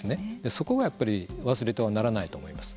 そこをやっぱり忘れてはならないと思います。